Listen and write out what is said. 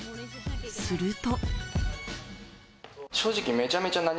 すると。